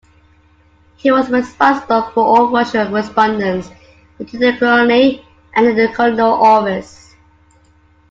He was responsible for all official correspondence between the colony and the Colonial Office.